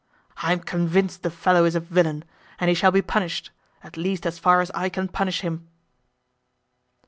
I am convinced the fellow is a villain, and he shall be punished; at least as far as I can punish him."